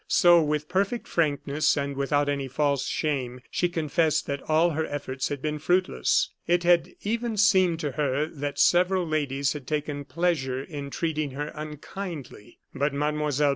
So, with perfect frankness, and without any false shame, she confessed that all her efforts had been fruitless. It had even seemed to her that several ladies had taken pleasure in treating her unkindly. But Mlle.